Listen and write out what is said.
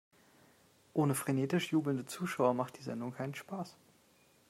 Ohne frenetisch jubelnde Zuschauer macht die Sendung keinen Spaß.